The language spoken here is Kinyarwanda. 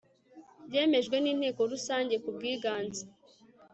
byemejwe n inteko rusange kubwiganze